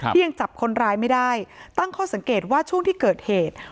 ยังจับคนร้ายไม่ได้ตั้งข้อสังเกตว่าช่วงที่เกิดเหตุ